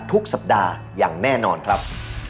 ทุกคนทำอย่างงี้นะครับ